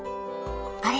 あれ？